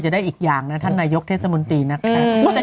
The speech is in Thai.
ได้อีกอย่างนะท่านนายกเทศมนตรีนะคะ